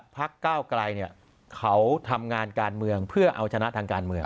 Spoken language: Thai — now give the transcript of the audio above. พักก้าวไกลเขาทำงานการเมืองเพื่อเอาชนะทางการเมือง